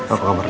apa kabar lu